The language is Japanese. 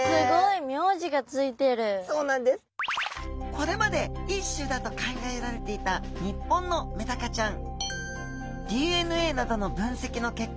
これまで１種だと考えられていた日本のメダカちゃん